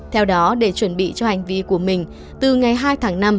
theo đó để chuẩn bị cho hành vi của mình từ ngày hai tháng năm